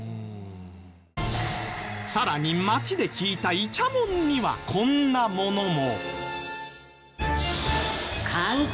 さらに街で聞いたイチャモンにはこんなものも。